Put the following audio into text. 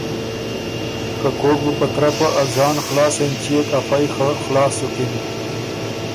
که کوک بُو په ترپه ا ځان خلاص اېنچيېک افئ خه خلاص سُکِن